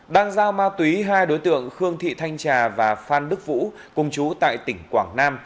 đang giao ma túy hai đối tượng khương thị thanh trà và phan đức vũ cùng chú tại tỉnh quảng nam